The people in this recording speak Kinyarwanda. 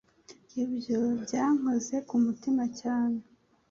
Ibyo byankoze ku mutima cyane.